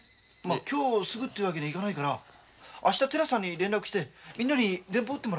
今日すぐっていうわけにはいかないから明日寺さんに連絡してみんなに電報打ってもらうから。